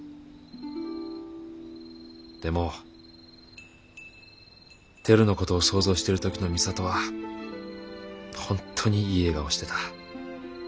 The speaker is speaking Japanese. でもテルの事を想像してる時の美里は本当にいい笑顔をしてた。